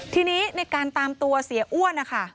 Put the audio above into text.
ทีนี้ในการตามตัวเสียอ้วนนะคะ